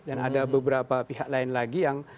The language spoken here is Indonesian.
dan ada beberapa pihak lain lagi yang